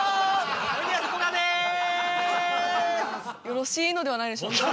よろしいのではないでしょうか。